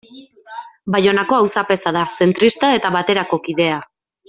Baionako auzapeza da, zentrista eta Baterako kidea.